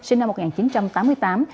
sinh năm một nghìn chín trăm tám mươi tám